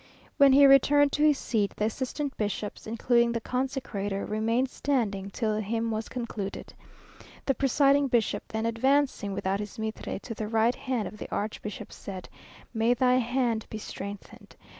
When he returned to his seat, the assistant bishops, including the consecrator, remained standing till the hymn was concluded. The presiding bishop then advancing, without his mitre, to the right hand of the archbishop, said, "May thy hand be strengthened!